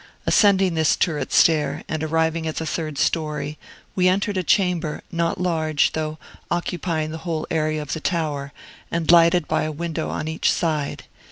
Ascending this turret stair, and arriving at the third story, we entered a chamber, not large, though occupying the whole area of the tower, and lighted by a window on each side.